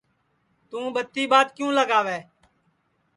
توں ٻتی ٻات کیوں لگاوے